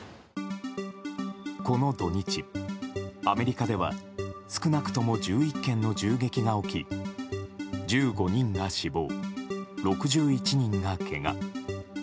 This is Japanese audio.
この土日、アメリカでは少なくとも１１件の銃撃が起き１５人が死亡、６１人がけが。